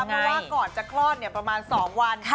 เมื่อก่อนจะครอบประมาณสองวัน